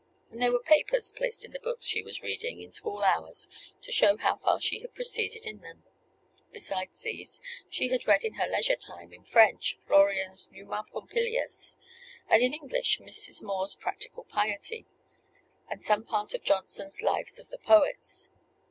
And there were papers placed in the books she was reading in school hours, to show how far she had proceeded in them. Besides these, she had read in her leisure time, in French, Florian's "Numa Pompilius," and in English, Mrs. More's "Practical Piety," and some part of Johnson's "Lives of the Poets."